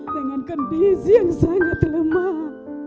dengan kondisi yang sangat lemah